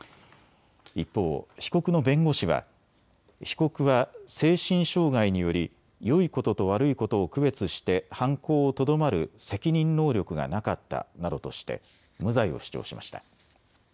一方、被告の弁護士は被告は精神障害によりよいことと悪いことを区別して犯行をとどまる責任能力がなかったなどとして無罪を主張しました。